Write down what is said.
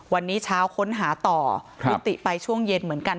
วันนี้เช้าค้นหาต่อคุณติไปช่วงเย็นเหมือนกัน